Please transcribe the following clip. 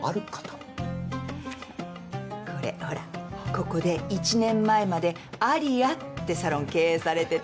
ここで１年前までアリアってサロン経営されてた。